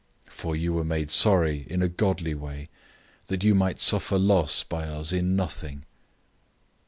For you were made sorry in a godly way, that you might suffer loss by us in nothing.